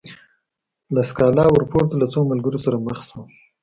له سکالا ورپورته له څو ملګرو سره مخ شوم.